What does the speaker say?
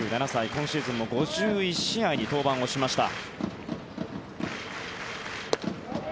今シーズンも５１試合に登板しました。